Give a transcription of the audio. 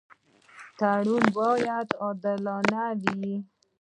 تړون باید عادلانه وي.